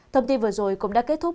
thông tin vừa rồi cũng đã kết thúc